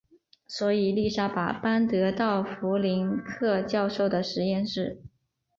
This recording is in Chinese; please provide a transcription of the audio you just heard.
所以丽莎把班德到弗林克教授的实验室。